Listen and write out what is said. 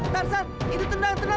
tarzan ini tendang tendang tendang